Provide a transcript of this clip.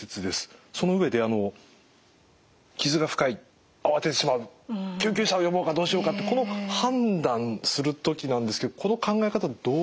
その上で傷が深い慌ててしまう救急車を呼ぼうかどうしようかってこの判断する時なんですけどこの考え方どうすればいいでしょうか？